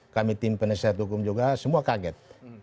kami tim penasihat hukum juga semua kaget